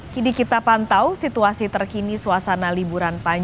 kini kita pantau situasi terkini suasana liburan panjang